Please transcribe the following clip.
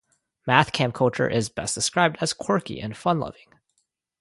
Mathcamp culture is best described as quirky and fun-loving.